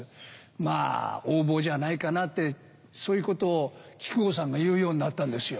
まぁ横暴じゃないかなってそういうことを木久扇さんが言うようになったんですよ。